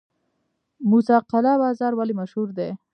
موسی قلعه بازار ولې مشهور دی؟